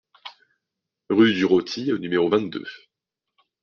Rue du Roty au numéro vingt-deux